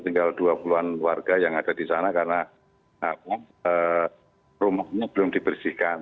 tinggal dua puluh an warga yang ada di sana karena rumahnya belum dibersihkan